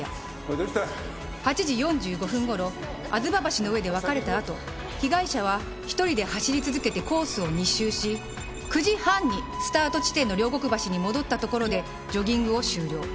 ８時４５分頃吾妻橋の上で別れたあと被害者は１人で走り続けてコースを２周し９時半にスタート地点の両国橋に戻ったところでジョギングを終了。